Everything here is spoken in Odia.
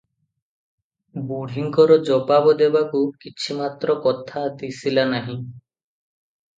ବୁଢ଼ୀଙ୍କର ଜବାବ ଦେବାକୁ କିଛି ମାତ୍ର କଥା ଦିଶିଲା ନାହିଁ ।